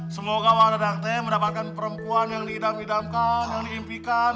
semoga wadadaknya mendapatkan perempuan yang diidam idamkan yang diimpikan